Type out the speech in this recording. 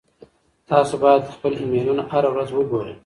تاسو باید خپل ایمیلونه هره ورځ وګورئ.